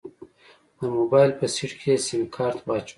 د موبايل په سيټ کې يې سيمکارت واچوه.